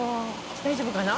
大丈夫かな？